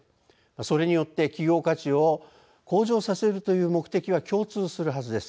それによって企業価値を向上させるという目的は共通するはずです。